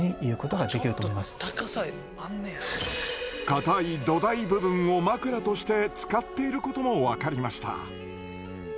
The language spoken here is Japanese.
かたい土台部分を枕として使っていることも分かりました。